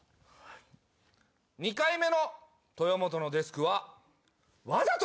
２回目の豊本のデスクはわざとやった？